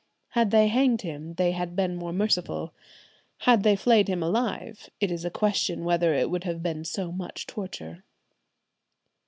... Had they hanged him they had been more merciful; had they flayed him alive it is a question whether it would have been so much torture."